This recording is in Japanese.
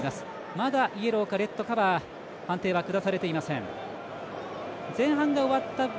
まだイエローかレッドかは判定はくだされていません。